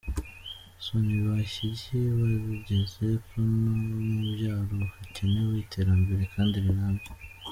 so, ntibakiyibagize ko no mubyaro hakenewe iterambere kandi rirambye.